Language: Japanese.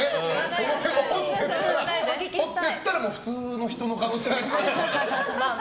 その辺を掘っていったら普通の人の可能性ありますから。